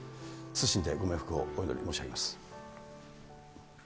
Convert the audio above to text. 謹んでご冥福をお祈り申し上げます。